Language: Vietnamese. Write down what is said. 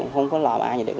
không có làm ai gì được